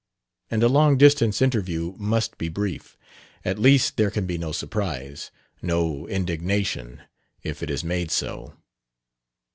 And a long distance interview must be brief, at least there can be no surprise, no indignation, if it is made so.